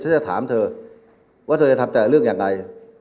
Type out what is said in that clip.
จะถามเธอว่าเธอจะทำแต่เรื่องยังไง